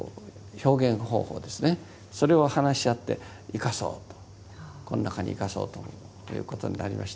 それを話し合って生かそうとこの中に生かそうということになりました。